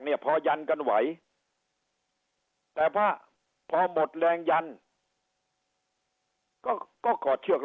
เนี่ยพอยันกันไหวแต่พอพอหมดแรงยันก็ก็กอดเชือก